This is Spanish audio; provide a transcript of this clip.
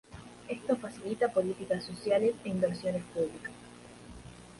Esto facilita políticas sociales e inversiones públicas.